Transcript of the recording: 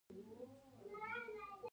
د افغانستان شمال ته امو سیند دی